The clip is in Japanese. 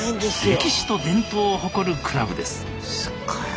歴史と伝統を誇るクラブです。